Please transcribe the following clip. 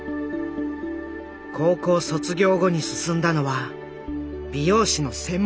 高校卒業後に進んだのは美容師の専門学校。